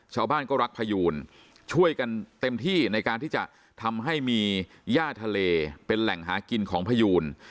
ชาวบ้านก็รักพยูนช่วยกันเต็มที่ในการที่จะทำให้มีย่าทะเลเป็นแหล่งหากินของพยูน